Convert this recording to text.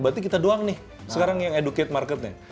berarti kita doang nih sekarang yang educate marketnya